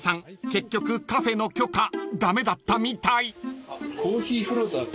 結局カフェの許可駄目だったみたい］